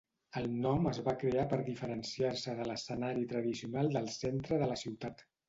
El nom es va crear per diferenciar-se de l'escenari tradicional del centre de la ciutat.